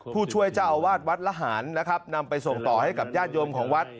ผู้ช่วยเจ้าอาวาสวัดละหารนะครับนำไปส่งต่อให้กับญาติโยมของวัด